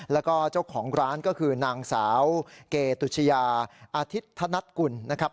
แล้วก็เจ้าของร้านก็คือนางสาวเกตุชยาอาทิตย์ธนัดกุลนะครับ